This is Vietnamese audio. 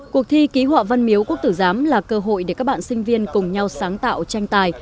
cuộc thi ký họa văn miếu quốc tử giám là cơ hội để các bạn sinh viên cùng nhau sáng tạo tranh tài